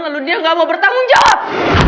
lalu dia nggak mau bertanggung jawab